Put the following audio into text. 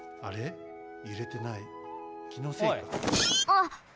あっ。